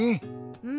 うん。